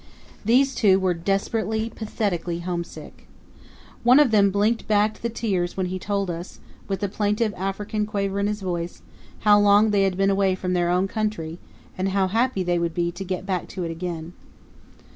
These two were desperately, pathetically homesick. One of them blinked back the tears when he told us, with the plaintive African quaver in his voice, how long they had been away from their own country and how happy they would be to get back to it again.